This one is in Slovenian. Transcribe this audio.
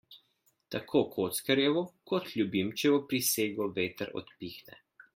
Tako kockarjevo kot ljubimčevo prisego veter odpihne.